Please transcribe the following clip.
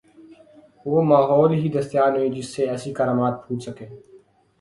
وہ ماحول ہی دستیاب نہیں جس سے ایسی کرامات پھوٹ سکیں۔